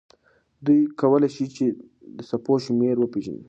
دوی کولی شي چې د څپو شمېر وپیژني.